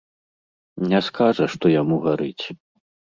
Не скажа, што яму гарыць.